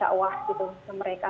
dakwah gitu ke mereka